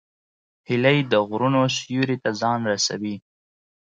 هیلۍ د غرونو سیوري ته ځان رسوي